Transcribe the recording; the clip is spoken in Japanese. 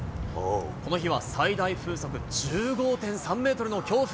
この日は最大風速１５．３メートルの強風。